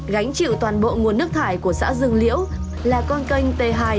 gánh chịu toàn bộ nguồn nước thải của xã dương liễu là con canh t hai